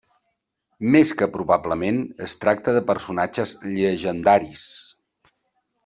Més que probablement, es tracta de personatges llegendaris.